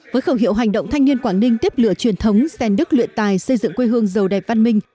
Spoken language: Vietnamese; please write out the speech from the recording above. với khẩu hiệu hành động thanh niên quảng ninh tiếp lựa truyền thống sen đức luyện tài xây dựng quê hương giàu đẹp văn minh